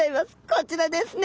こちらですね。